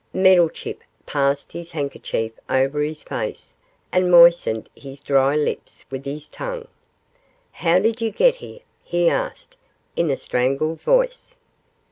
Meddlechip passed his handkerchief over his face and moistened his dry lips with his tongue. 'How did you get here?' he asked, in a strangled voice.